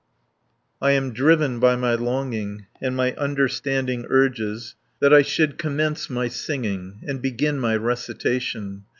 I am driven by my longing, And my understanding urges That I should commence my singing; And begin my recitation.